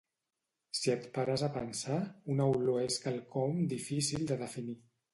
Si et pares a pensar, una olor és quelcom difícil de definir